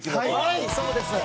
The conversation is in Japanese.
はいそうです。